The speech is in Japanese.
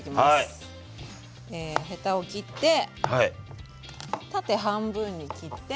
ヘタを切って縦半分に切って。